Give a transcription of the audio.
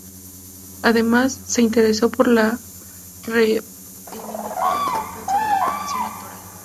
Además, se interesó por la reivindicar la importancia de la formación actoral.